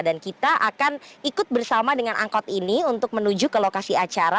dan kita akan ikut bersama dengan angkot ini untuk menuju ke lokasi acara